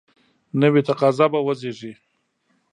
نوي تقاضا به وزیږي.